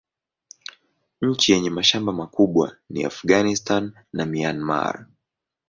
Nchi yenye mashamba makubwa ni Afghanistan na Myanmar.